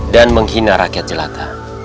dan menghina rakyat jelata